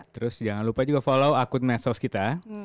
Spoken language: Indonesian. terus jangan lupa juga follow akun medsos kita